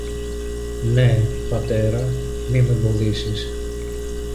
Ναι, Πατέρα, μη μ' εμποδίσεις!